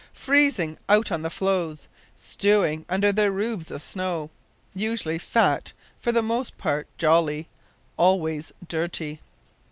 Freezing out on the floes; stewing under their roofs of snow. Usually fat; for the most part jolly; always dirty!